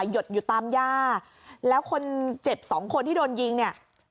หดอยู่ตามย่าแล้วคนเจ็บสองคนที่โดนยิงเนี่ย